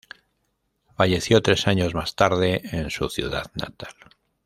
Falleció tres años más tarde en su ciudad natal.